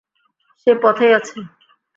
সে পথেই আছে।